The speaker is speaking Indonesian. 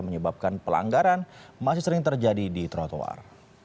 menyebabkan pelanggaran masih sering terjadi di trotoar